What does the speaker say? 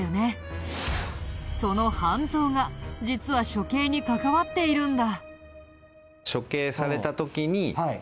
その半蔵が実は処刑に関わっているんだ。